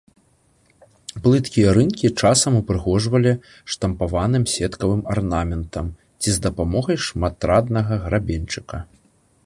Плыткія рынкі часам упрыгожвалі штампаваным сеткавым арнаментам ці з дапамогай шматраднага грабеньчыка.